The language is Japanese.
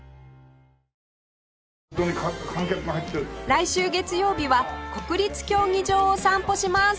来週月曜日は国立競技場を散歩します